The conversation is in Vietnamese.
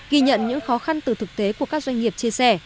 ghi nhận những khó khăn từ thực tế của các doanh nghiệp chia sẻ